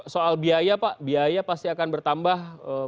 soal biaya pak biaya pasti akan bertambah